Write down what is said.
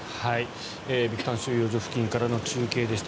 ビクタン収容所付近からの中継でした。